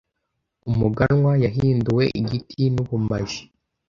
Umuganwa yahinduwe igiti nubumaji.